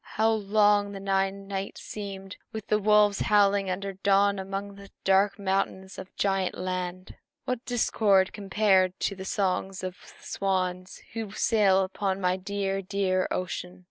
How long the nine nights seemed, with the wolves howling until dawn among the dark mountains of Giant Land! What a discord compared to the songs of the swans who sail upon my dear, dear ocean!"